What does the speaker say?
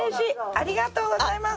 ありがとうございます。